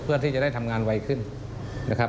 เพื่อที่จะได้ทำงานไวขึ้นนะครับ